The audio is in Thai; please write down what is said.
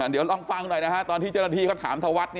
เดี๋ยวลองฟังหน่อยนะฮะตอนที่เจ้าหน้าที่เขาถามธวัฒน์